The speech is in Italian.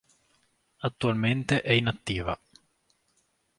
Attualmente è inattiva.